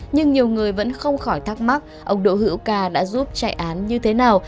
nhưng nhiều người vẫn không khỏi thắc mắc ông đỗ hữu ca đã giúp chạy án như thế nào